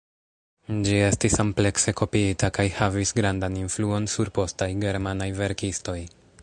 Ĝi estis amplekse kopiita kaj havis grandan influon sur postaj germanaj verkistoj.